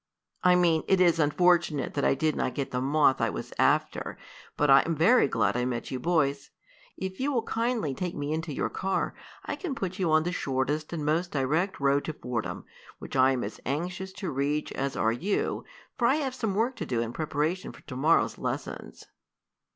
"I mean it is unfortunate that I did not get the moth I was after, but I am very glad I met you boys. If you will kindly take me into your car I can put you on the shortest and most direct road to Fordham, which I am as anxious to reach as are you, for I have some work to do in preparation for to morrow's lessons."